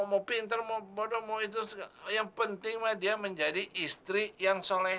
mau pinter mau bodoh mau itu yang penting mah dia menjadi istri yang soleh